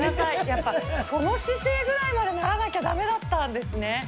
やっぱその姿勢ぐらいまでならなきゃだめだったんですね。